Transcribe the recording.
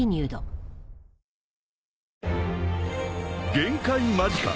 ［限界間近！